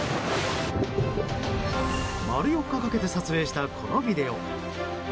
丸４日かけて撮影したこのビデオ。